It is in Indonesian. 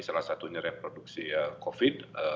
salah satunya reproduksi covid